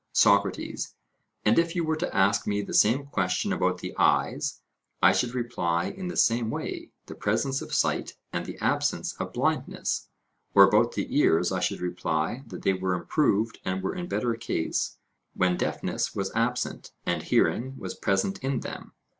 SOCRATES: And if you were to ask me the same question about the eyes, I should reply in the same way, 'the presence of sight and the absence of blindness;' or about the ears, I should reply, that they were improved and were in better case, when deafness was absent, and hearing was present in them.